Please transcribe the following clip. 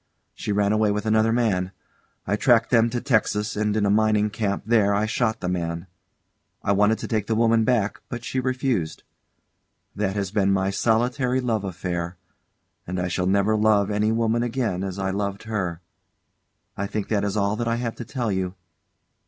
She ran away with another man. I tracked them to Texas, and in a mining camp there I shot the man. I wanted to take the woman back, but she refused. That has been my solitary love affair; and I shall never love any woman again as I loved her. I think that is all that I have to tell you.